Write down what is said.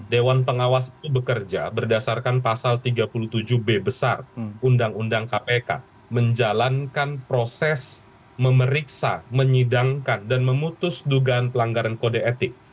dewan pengawas itu bekerja berdasarkan pasal tiga puluh tujuh b besar undang undang kpk menjalankan proses memeriksa menyidangkan dan memutus dugaan pelanggaran kode etik